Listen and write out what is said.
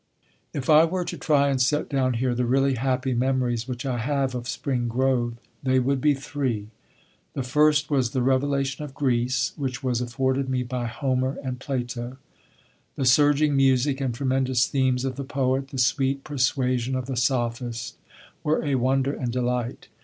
If I were to try and set down here the really happy memories which I have of Spring Grove they would be three. The first was the revelation of Greece which was afforded me by Homer and Plato. The surging music and tremendous themes of the poet, the sweet persuasion of the sophist were a wonder and delight.